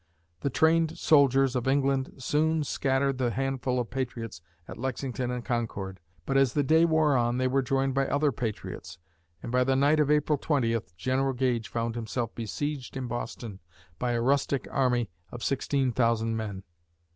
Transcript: The trained soldiers of England soon scattered the handful of patriots at Lexington and Concord, but, as the day wore on, they were joined by other patriots, and by the night of April 20th, General Gage found himself besieged in Boston by a rustic army of 16,000 men.